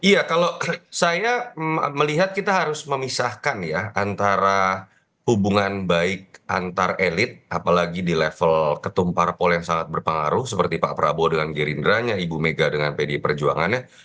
iya kalau saya melihat kita harus memisahkan ya antara hubungan baik antar elit apalagi di level ketum parpol yang sangat berpengaruh seperti pak prabowo dengan gerindranya ibu mega dengan pdi perjuangannya